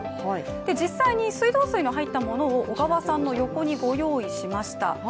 実際に水道水の入ったものを小川さんの横にご用意しました。